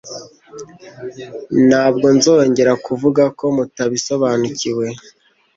Ntabwo ynuzongera kuvuga ko mutabisobanukiwe.